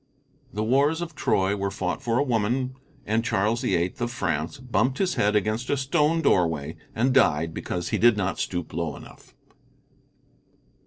The wars of Troy were fought for a woman, and Charles VIII, of France, bumped his head against a stone doorway and died because he did not stoop low enough.